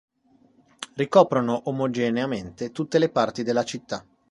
Ricoprono omogeneamente tutte le parti della città.